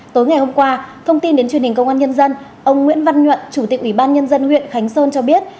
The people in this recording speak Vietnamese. tối ngày hôm qua thông tin đến truyền hình công an nhân dân ông nguyễn văn nhuận chủ tịch ủy ban nhân dân huyện khánh sơn cho biết